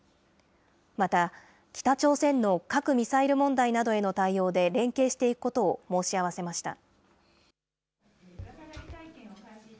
また、北朝鮮の核・ミサイル問題などへの対応で、連携していくことを申し合わせました。